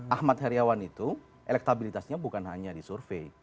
ahmad heriawan itu elektabilitasnya bukan hanya di survei